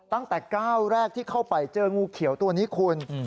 ตั้งแต่ก้าวแรกที่เข้าไปเจองูเขียวตัวนี้คุณ